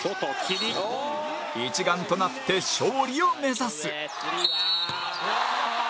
一丸となって勝利を目指す